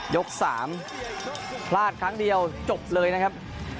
ยก๓พลาดครั้งเดียวจบเลยนะครับ